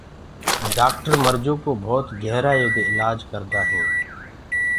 ڊآڪٿر مرجو ڪو ڀوت گهرآيو دي اِلآج ڪردآ هينٚ۔